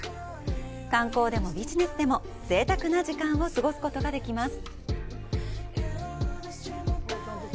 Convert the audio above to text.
観光でも、ビジネスでも、ぜいたくな時間を過ごすことができます。